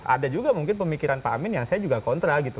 ada juga mungkin pemikiran pak amin yang saya juga kontra gitu